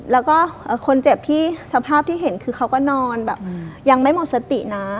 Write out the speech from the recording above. แล้วก็คนเจ็บที่สภาพที่เห็นคือเขาก็นอนแบบยังไม่หมดสตินะ